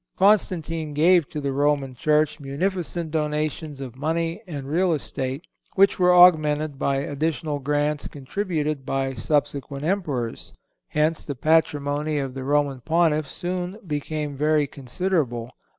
Constantine gave to the Roman Church munificent donations of money and real estate, which were augmented by additional grants contributed by subsequent emperors. Hence the patrimony of the Roman Pontiffs soon became very considerable.